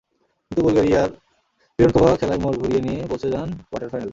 কিন্তু বুলগেরিয়ার পিরোনকোভা খেলার মোড় ঘুড়িয়ে দিয়ে পৌঁছে যান কোয়ার্টার ফাইনালে।